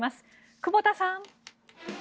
久保田さん。